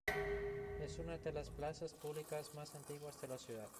Es una de las plazas públicas más antiguas de la ciudad.